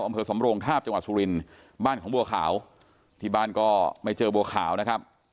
อำเภอสำโรงทาบจังหวัดสุรินทร์บ้านของบัวขาวที่บ้านก็ไม่เจอบัวขาวนะครับ